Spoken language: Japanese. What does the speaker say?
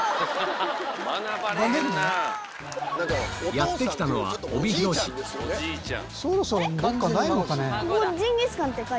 やって来たのはそろそろどっかないのかね。